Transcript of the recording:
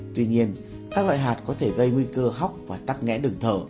tuy nhiên các loại hạt có thể gây nguy cơ khóc và tắc nghẽ đừng thở